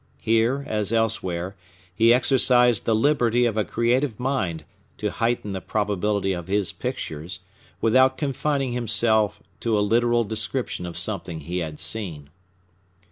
Here, as elsewhere, he exercised the liberty of a creative mind to heighten the probability of his pictures without confining himself to a literal description of something he had seen.